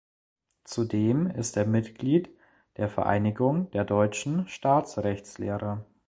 Zudem ist er Mitglied der Vereinigung der Deutschen Staatsrechtslehrer.